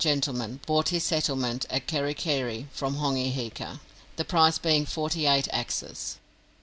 gentleman bought his settlement at Kerikeri from Hongi Hika, the price being forty eight axes.